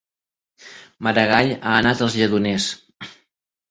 Maragall ha anat als Lledoners